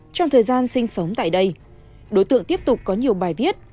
trong thời gian sinh sống tại đây đối tượng tiếp tục có nhiều bài viết